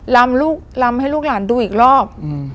ลำให้ลูกหลานดูอีกรอบ